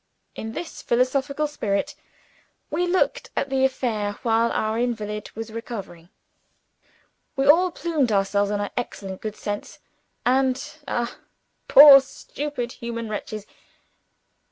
In this philosophical spirit, we looked at the affair while our invalid was recovering. We all plumed ourselves on our excellent good sense and (ah, poor stupid human wretches!)